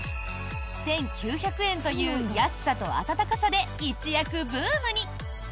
１９００円という安さと暖かさで一躍ブームに！